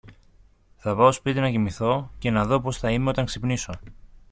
Θα πάω σπίτι να κοιμηθώ και να δω πώς θα είμαι όταν ξυπνήσω